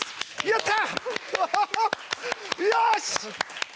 やった！